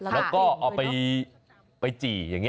แล้วก็เอาไปจี่อย่างนี้